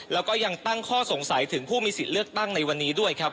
แล้วก็ยังตั้งข้อสงสัยถึงผู้มีสิทธิ์เลือกตั้งในวันนี้ด้วยครับ